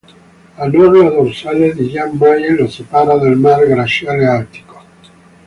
A nord la dorsale di Jan Mayen lo separa dal mar Glaciale Artico.